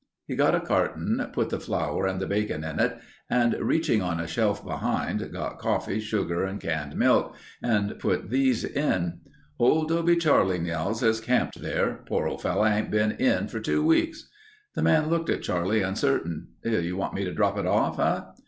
He got a carton, put the flour and bacon in it and reaching on a shelf behind, got coffee, sugar, and canned milk and put these in. "Old Dobe Charlie Nels is camped there. Poor old fellow hasn't been in for two weeks...." The man looked at Charlie, uncertain. "You want me to drop it off, huh?"